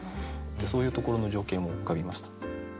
そういうところの情景も浮かびました。